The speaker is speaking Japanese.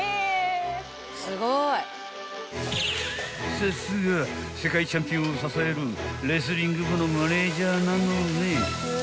［さすが世界チャンピオンを支えるレスリング部のマネージャーなのね］